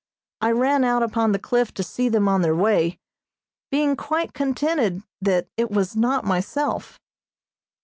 I ran out upon the cliff to see them on their way, being quite contented that it was not myself.